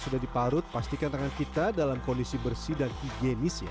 sudah diparut pastikan tangan kita dalam kondisi bersih dan higienis ya